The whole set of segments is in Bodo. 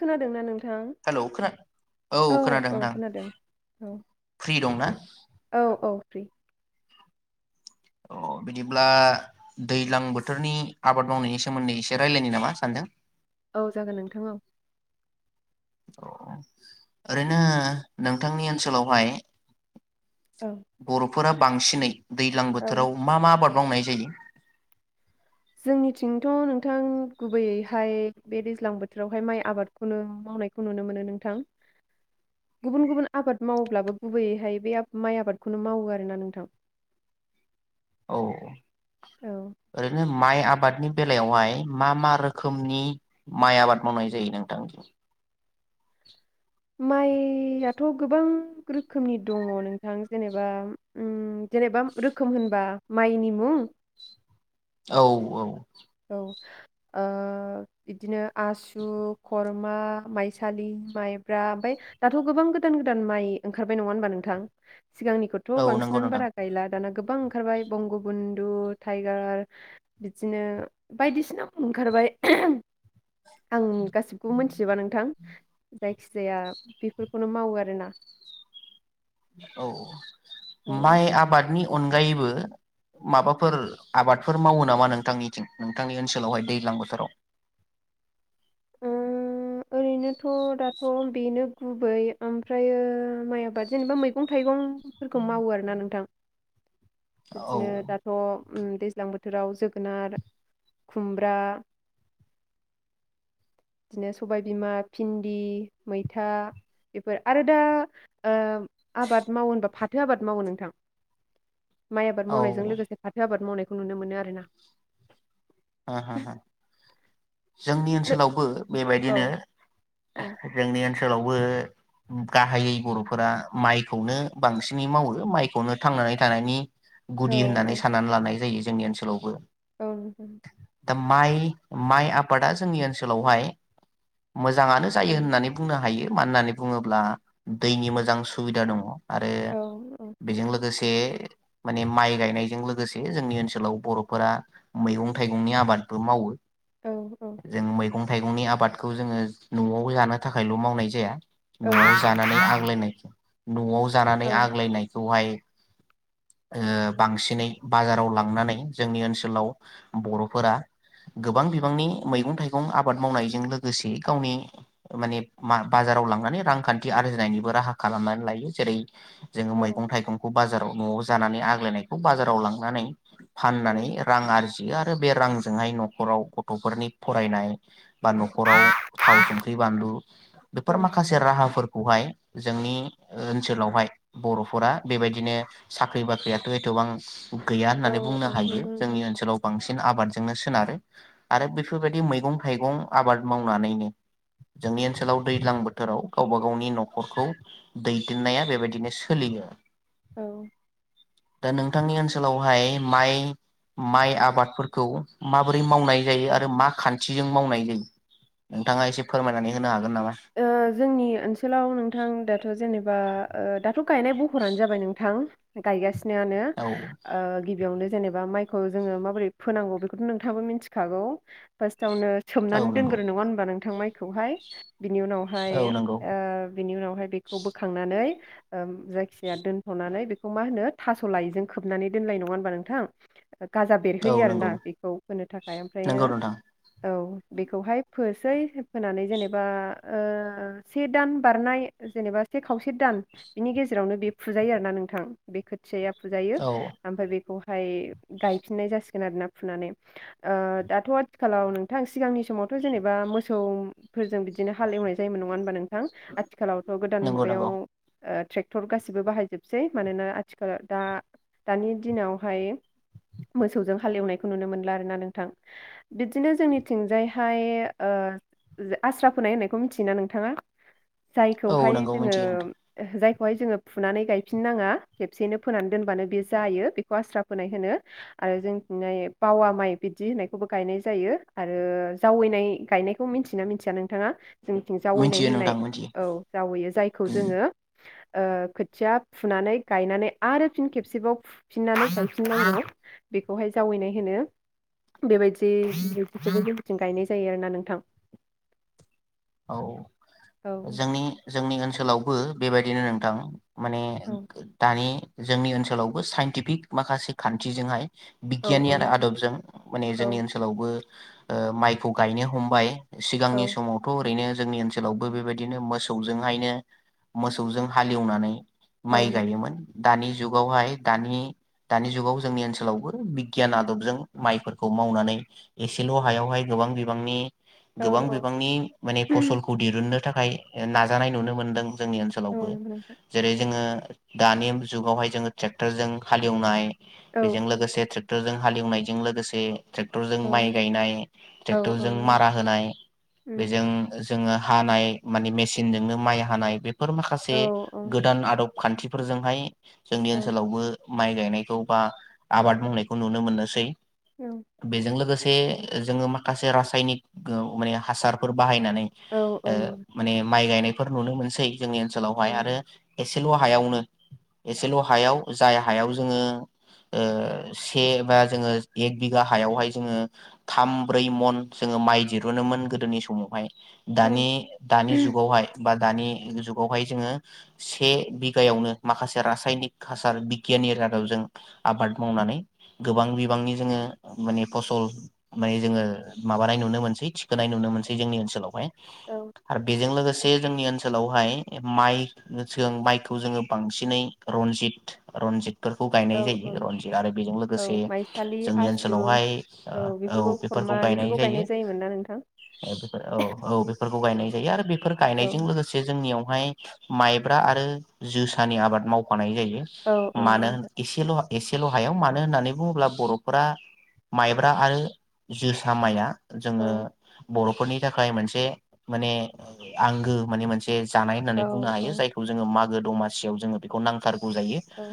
खोनादोंना नोंथां हेलौ खोना औ खोनादों औ नोंथां खोनादों औ फ्रि दंना औ औ फ्रि। अ बिदिब्ला दैलां बोथोरनि आबाद मावनायनि सोमोन्दै एसे रायलायनो नामा सानजों? औ जागोन नोंथां औ। अ ओरैनो नोंथांनि ओनसोलावहाय औ बर' फोरा बांसिनै दैलां औ बोथोराव मा मा आबाद मावनाय जायो? जोंनिथिंथ नोंथां गुबैयैहाय बे दैज्लां बोथोरावहाय माइ आबादखौनो मावनायखौ नुनो मोनो नोंथां। गुबुन गुबुन आबाद मावोब्लाबो गुबैयैहाय बे आब माइ आबादखौनो मावो आरोना नोंथां। औ ओै औ ओरैनो माइ आबादनि बेलायावहाय मा मा रोखोमनि माइ आबाद मावनाय जायो नोंथां? माइयाथ गोबां रोखोमनि दङ नोंथां जेनेबा उम जेनेबा रोखोम होनबा माइनि मुं औ औ। औ ओ बिब्दिनो आसु, खरमा, माइसालि, माइब्रा ओमफफ्राय दाथ गोबां गोदान गोदान माइ ओंखारबाय नङा होनबा नोंथां? सिगांनिखौथ औ नंगौ बांसिनानो नोंथां बारा गायला दाना गोब बां ओंखारबाय बंगबन्धु टाइगार बिदिनो बायदिसिना ओंखारबाय आं गासिबखौबो मिथिजोबा नोंथां जायखिजाया बेफोरखौनो मावो आरो ना औ माइ आबादनि अनगायैबो माबाफोर आबादफोर मावो नामा नोंथांनिथिं नोंथांनि ओनसोलावहाय दैज्लां बोथोराव उम, ओरैनोथ दाथ बेनो गुबै ओमफ्रायो माइ आबाद जेनेबा मैगं थाइगं फोरखौ मावो आरोना नोंथां औ बिदिनो दाथ दैज्लां बोथोराव जोगोनार खुमब्रा बिदिनो सबायबिमा भिन्दि मैथा बेफोर आरो दा ओ आबाद मावो होनबा फाथो आबाद मावो नोंथां माइ औ आबाद मावनायजों हो लोगोसे फाथो आबाद मावनायखौ खौ नुनो मोनो आरोना आहाहा जोंनि नो ओनसोलावबो औ बेबायदिनो औ [unintelligible] ओनसोलावबो गाहायै बर'फोरा माइखौनो बांसिनै मावो माइखौनो थांनानै थानायनि औ गुदि होननानै साननानै लानाय जायो जोंनि ओनसोलावबो औ दा माइ माइ आबादा जोंनि ओनसोलावहाय मोजाङानो जायो होननानै बुंनो हायो मानो होननानै बुङोब्ला दैनि मोजां सुबिदा दङ आरो औ औ बेजों लोगोसे बे माने माइ गायनायजों लोगोसे जोंनि ओनसोलाव बर'फोरा मैगं थाइगंनि आबादबो मावो। औ जों मैगं थाइगंनि आबादखौ जोङो न'आव जानो थाखायल' मावनाय जाया। औ न'आव जानानै आंग्लायनाय नआव जानानै आग्लायनाय खौहाय आ बांसिनै बाजाराव लांनानै जोंनि ओनसोलाव बर'फोरा गोबां बिबांनि मैगं थाइगं आबाद मावनायजों लोगोसे गावनि माने बाजाराव लांनानै रांखान्थि आरजिनायनिबो राहा खालामनानै लायो। जेरै जोङो मैगं थाइगंखौ बाजाराव न'आव जानानै आग्लायनायखौ बाजाराव लांनानै फाननानै रां आरजि जियो आरो बे रांजोंहाय न'खराव गथ'फोरनि फरायनाय बा न'खराव थाव संख्रि बानलु औ बेफोर माखासे राहाफोर खौहाय जोंनि ओनसोलावहाय बर'फोरा बेबायदिनो साख्रि बाख्रियाथ' एथबां गैया औ होननानै बुंनो औ हायो नंगौ नोंथां जोंनि ओनसोलाव बांसिन आबादजोंनो सोनारो आरो बेफोरबायदि मैगं थाइगं आबाद मावनानैनो जोंनि ओनसोलाव दैज्लां बोथोराव गावबा गावनि न'खरखौ दैदेननाया बेबायदिनो सोलियो। औ दा नोंथांनि ओनसोलावहाय माइ माइ आ बादफोरखौ माबोरै मावनाय जायो आरो मा खान्थिजों मावनाय जायो नोंथाङा एसे फोरमायनानै होनो हागोन नामा ओ जोंनि ओनसोलाव नोंथां दाथ' जेनेबा ओ दाथ' गायनाय बहरानो जाबाय नोंथां गायगा सिनानो औ ओ गिबियावनो जेनेबा माइखौ जोङो माबोरै फोनांगौ बेखौथ' नोंथाङाबो मिथिखागौ फार्स्ट सायावनो औ सोमनानै नंगौ दोनग्रो नङा होनोमबा नोंथां माइ खौहाय बिनि उनावहाय औ नंगौ आ बिनि उनावहाय बेखौ बोखांनानै ओम जायखिया दोनथ'नानै बेखौ मा होनो थास' लायिजों खोबनानै दोनलनाय नङा होनबा नोंथां गाजा औ बेरहोयो आरो नंगौ ना बेखौ होनो थाखाय ओमफ्रायो नंगौ नोंथां औ बेखौहाय फोसै फोनानै जेने बा ओ से दान बारनाय जेनेबा से खावसे दान बिनि गेजेरावनो बे फुजायो आरो ना नोंथां बे खोथिया फुजायो औ ओमफ्राय बेखौ ओमफ्राय गायफिननाय जासिगोन आरो ना फुनानै ओ दाथ' आथिखालाव नोंथां सिगांनि समावथ' जेनेबा मोसौ फोरजों बिदि हालेवनाय जायोमोन नङा होमबा नों थां आथिखालावथ' गोदान नंगौ नंगौ मुगायाव ट्रेक्टर गासिबो बाहायजोबसै मानोना आथिखालाव दा दानि दिनावहाय मोसौजों हालेवनायखौ नुनो मोनला आरोना नोंथां बिदिनो जोंनिथिंजायहाय आस्रा फोनाय होननायखौ मिथियोना नोंथाङा औ जायखौहाय नंगौ जोङो मिथियो नोंथां जाय बेखौहाय जोङो फुनानै गायफिन नाङा खेबसेैनो फोनानै दोनबानो बे जायो बेखौ आस्रा फोनाय होनो आरो जोंनाय बावा माइ बिदि होननायखौबो गायनाय जायो आरो जावैनाय गायनायखौ मिथि [unintelligible] मिथिया नोंथाङा जोंनिथिं जावैनाय मिथियो होननाय नोंथां मिथियो औ जावैयो जायखौ उम जोङो ओ खोथिया फुनानै गायनानै आरो फिन खेबसेबाव फुफिननानै गायफिननांगौ बेखौहाय जावैनाय होनो बेबायदि बिथिं गायनाय जायो आरोना नोंथां औ औ जोंनि जोंनि ओनसो आथिखालावबो बेबायदिनो नोंथां माने औ दानि जोंनि ओनसोलावबो साइन्टिफिक माखासे खान्थिजोंहाय औ बिगियाननि औ आरो नोंथां आदबजों माने औ जोंनि ओनसोलावबो ओ माइखौ गायनो हमबाय औ सिगांनि समाव ओरैनो जोंनि ओनसोलावबो बेबायदिनो मोसौजोंहायनो मोसौजों हाले एवनानै औ माइ नोंथां गायोमोन दानि जुगावहाय दानि दानि जुगाव जोंनि ओनसोलावबो बिगियान आदबजों माइफोरखौ मावनानै एसेल' हायावहाय गोबां बिबांनि औ गोबां बिबांनि माने फसलखौ दिरुन नो थाखाय नाजानाय नुनो मोनदों जोंनि ओनसोलावबो औ नंगौ नोंथां जेरै जोङो दानि जुगावहाय जोङो ट्रेक्टरजों हालेवनाय औ बेजों लोगोसे ट्रे क्टरजों हाले एवनायजों लोगोसे ट्रेक्टरजों औ माइ गायनाय औ औ ट्रेक्टरजों नंगौ मारा होनाय नोंथां बेजों जोङो हानाय मानि मेसिनजोंनो माइ हानाय बे फोर माखासे औ गोदान आदब खान्थिफोरजोंहाय जोंनि औ ओनसोलावबो माइ गायनायखौ बा आबाद मावनायखौ नुनो मोननोसै बेजों लोगोसे बे जोङो माखासे रासायनिक माने हासार फोर बाहायनानै ओ औ नंगौ औ माने माइ गायनाय फोर नुनो मोनसै जोंनि ओनसोलावहाय आरो एसेल' हायावनो एसेल' हायाव जाय हायाव जोङो ओ से बा जोङो एक बिघा हायावहाय जोङो थाम ब्रै मन जोङो माइ दिरुनोमोन गोदोनि स मावहाय दानि दानि जुगावहाय बा दानि जुगावहाय जोङो से बिगायावनो माखासे रासायनिक हासार बिगियानारि आदबजों आबाद मावनानै गोबां बिबांनि जोङो माने फसल माने जोङो माबानाय नुनो मोनसै थिखोनाय नुनो मोनसै जोंनि ओनसोलावहाय आरो बेजों लोगोसे जोंनि ओन सोलावहाय माइ जों माइखौ जोङो बांसिनै रनजित-रनजित बेफोरखौ औ गायनाय औ जायो रनजित आरो बेजों लोगोसे औ माइसालि जोंनि आसु ओनसोलावहाय ओ औ बेफोरखौ गायनाय जायो औ औ बेफोरखौ गायनाय जायो आरो बेफोर औ गायनायजों लोगोसे जोंनियाव ओमफ्राय माइब्रा आरो जोसानि आबाद मावफानाय जायो। औ औ नंगौ मानो नोंथां एसेल' [unintelligible] एसेल' हायाव मानो होननानै बुङोब्ला बर'फोरा माइब्रा आरो जोसा माइया औ जोङो बर'फोरनि थाखाय मोनसे माने आंगो माने मोनसे बे जानाय होननानै औ बुंनो हायो औ जायखौ जोङो मा गो दमासियाव जोंनो बेखौ नांथारगोै गौ जायो औ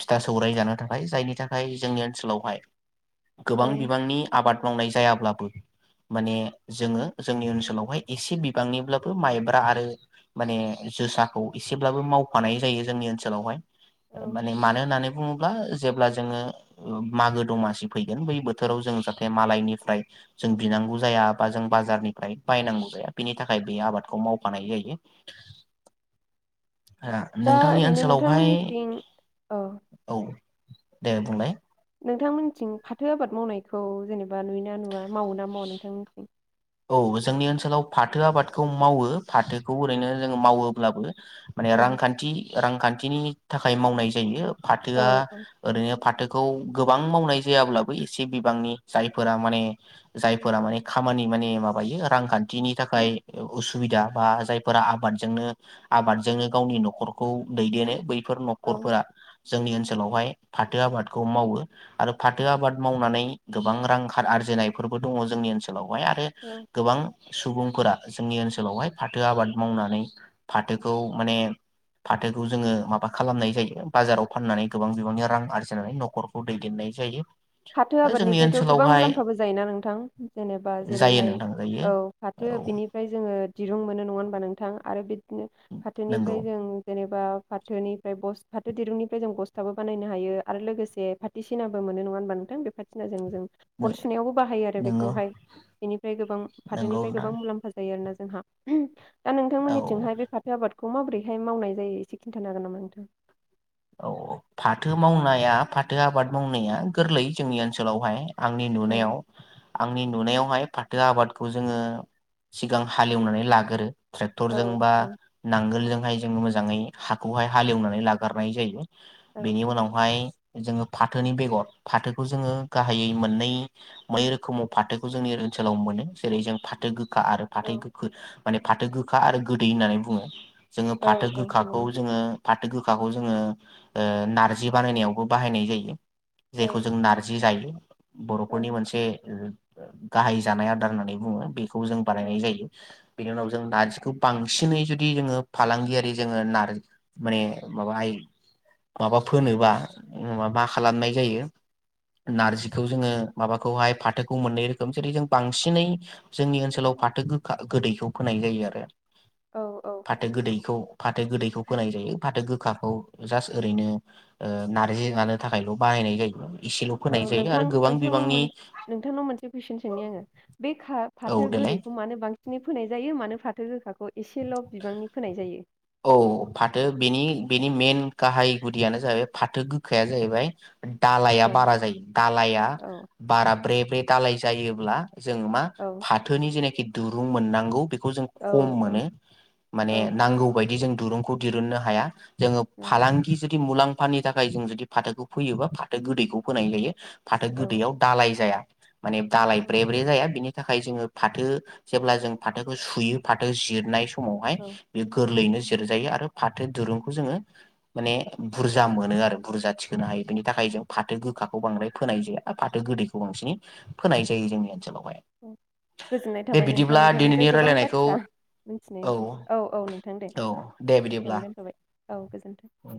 फिथा सौराइ जानो थाखाय जायनि थाखाय जोंनि ओनसोलावहाय गोबां औ बिबांनि आबाद मावनाय जायाब्लाबो माने जोङो जोंनि ओनसोलावहाय एसे बिबांनिब्लाबो माइब्रा आरो माने जोसाखौ एसेब्लाबो मावफानाय जायो जोंनि ओनसोलावहाय माने औ मानो होनानै बुं जेब्ला जोङो मागो दमासि फैगोन बै बोथोराव जाहाथे जों मालनिफ्राय बिनांगौ जाया जाया बा जों बारनिफ्राय बायनांगौ जाया बिनि थाखाय बे आबादखौ मावफानाय जायो दा नोंथांनि ओरैनो ओनसोलावहाय नोंथांमोननिथिं औ औ दे बुंलाय नोंथांमोननिथिं फाथो आबाद मावनायखौ जेनेबा नुयोना नुवा मावो ना मावा नोंथांमोननिथिं औ जोंनि ओनसोलाव फाथो आबादखौ मावो फाथोखौ ओरैनो जोङो मावोब्लाबो माने औ रांखान्थि रांखान्थिनि थाखाय मावनाय जायो औ फाथोआ औ ओरैनो फाथो गोबां मावनाय जायाब्लाबो एसे बिबांनि जायफोरा माने जायफोरा माने खामानि माने माबायो रांखान्थिनि थाखाय असुबिदा बा जायफोरा आबादजोंनो आबादजोंनो गावनि न'खरखौ दैदेनो ब फोर औ न'खरफोरा जोंनि ओनसोलावहाय फाथो आबादखौ मावो आरो फाथो आबाद मावनानै गोबां रां आरजिनायफोरबो दङ जोंनि ओनसोलाव हाय आरो औ गोबां सुबुंफोरा जोंनि ओनसोलावहाय फाथो आबाद मावनानै फाथोखौ माने फाथोखौ जोङो माबा खालामनाय जायो बाजाराव फाननानै गोबां बिबांनि रां आरजिनानै न'खरखौ दैदेननाय जायो फाथो दा जोंनि आबादनिफ्रायथ' गोबां ओनसोलावहाय मुलाम्फाबो जायोना नोंथां जेनेबा बा जायो जेरैहाय नोंथां जायो औ फाथो औ बिनिफ्राय जोङो दिरुं मोनो नङा होनबा नोंथां आरो बे बिदिनो नंगौ फाथोनिफ्राय जों जेनेबा फाथोनिफ्राय फाथो दिरुंनिफ्राय जों बसथाबो बानायनो हायो आरो लोगोसे फाथथिसिनाबो मोनो नङा होनबा दों बे फाथो सिनाजों जों अर सुनायावबो बाहायो आरो नोंगौ बेखौहाय बेनिफ्राय गोबां नंगौ फाथोनिफ्राय नोंथां गोबां मुलाम्फा जायो आरो ना जोंहा दा औ नोंथांमोननिथिंहाय बे फाथो आबाद बेखौ माबोरैहाय मावनाय जायो एसे खिन्थानो हागोन नामा नोंथाङा? औ औ फाथो मावनाया फाथो आबाद मावनाया गोरलै जोंनि ओनसोलावहाय। आंनि औ नुनायाव आंनि नुनायाव हाय फाथो आबादखौ जोङो सिगां हालेवनानै लागोरो। औ ट्रेक्टरजों बा औ नांगोलजोंहाय। जोङो मोजाङै हाखौहाय हालेवनानै लागोर नाय जायो। औ बेनि उनावहाय जोङो फाथोनि बेगर फाथोखौ जोङो गाहायै मोननै बै रोखोमाव फाथोखौ जोंनि ओनसोलाव मोनो जेरै जों फाथो गो गोखा आरो फाथो गोखो माने फाथो गोखा आरो गोदै होननानै बुङो। जोङो औ फाथो औ गोखाखौ नंगौ जोङो फाथो गोखा जों ओ नार्जि बानायनायावबो बाहायनाय जायो। जेखौ जों औ नारजि जायो बर'फोरनि औ मोनसे ओम गाहाय जानाय आदार होननानै बुङो बे बेखौ जों बानायनाय औ जायो। बेनि उनाव जों नार्जिखौ बांसिनै जुदि जोङो फालांगियारि जोङो नारजि माने माबाहाय माबा फोनोबा मा खालामनाय जायो नारजिखौ जोङो माबाखौहाय फाथोखौ मोननै रोखोम जेरै जों बांसिनै जोंनि ओनसोलाव फाथो खा गोदैखौ फोनाय जायो आरो। औ औ फाथो गोदैखौ फाथो गोदैखौ औ फोनाय जायो। गोखाखौ जास्ट ओरैनो नारजि जानो थाखायल' बाहायनाय जायो। एसेल' औ फोनाय जायो नोंथां आरो गोबां नोंथांनाव बिबांनि नोंथांनाव मोनसे कुइसन सोंनि आङो बे औ फाथो देलाय गोदैखौ मानो बांसिनै फोनाय जायो मानो फा [unintelligible] खौ एसेल' बिबांनि फोनाय जायो? औ फाथो बेनि बेनि मेन गाहाय गुदियानो जाहैबाय फाथो गोखाया जाहैबाय। दालाया औ बारा जायो दालाया औ बारा ब्रे बे दालाय जायोब्ला जोंङो मा औ फाथोनि जेनाखि दिरुं मोननांगौ बे बेखौ जों औ खम औ मोनो औ माने नांगौ जों दुरुंखौ दिहोननो हाया। जोङो फालांगि जुदि मुलाम्फानि थाखाय जों जुदि फाथोखौ फैयोबा फाथो गोदैखौ फोनाय जायो। फाथो औ गोदैयाव दालाय जाया। माने दालाय औ ब्रे ब्रे जाया बिनि थाखाय जोङो फाथो जेब्ला जों फाथोखौ सुयो फाथो जिरनाय समावहाय औ गोरलैनो जिरजायो आरो फाथो दिरुंखौ जोङो माने बुरजा मोनो आरो बुरजा थिखोनो हायो बेनि थाखाय जों फाथो गोखाखौ बांद्राय फोनाय जायो आरो फाथो गोदैखौ बांसिनै फोनाय जायो जोंनि ओनसोलाव गोजोननाय थाबाय नोंथां नोंथांनिफ्राय दिनैनि गोबां रायलायनायखौ बाथ्रा मिथिनायनि थाखाय औ औ नोंथां थां दे औ दे बिदिब्ला एसेयावनो दोनथ'बाय औ गोजोनथों